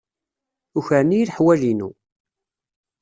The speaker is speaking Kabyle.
Ukren-iyi leḥwal-inu.